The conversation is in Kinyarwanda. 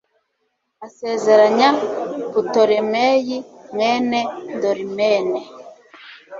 asezeranya putolemeyi mwene dorimene